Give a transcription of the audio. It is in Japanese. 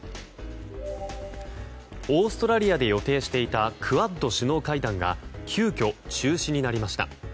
オーストラリアで予定していたクアッド首脳会談が急きょ、中止になりました。